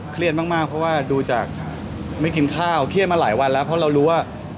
เครียดมากเพราะว่าดูจากไม่กินข้าวเครียดมาหลายวันแล้วเพราะเรารู้ว่า